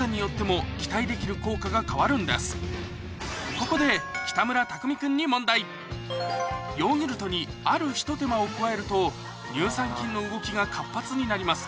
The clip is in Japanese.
ここで北村匠海君にヨーグルトにあるひと手間を加えると乳酸菌の動きが活発になります